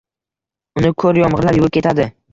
Uni ko’r yomg’irlar yuvib ketadi…